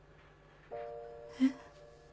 えっ？